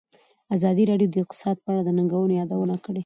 ازادي راډیو د اقتصاد په اړه د ننګونو یادونه کړې.